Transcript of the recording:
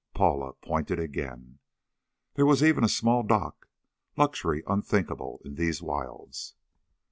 Paula pointed again. There was even a small dock luxury unthinkable in these wilds.